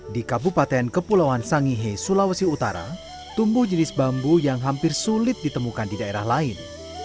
di kabupaten kepulauan sangihe sulawesi utara tumbuh jenis bambu yang hampir sulit ditemukan di daerah lain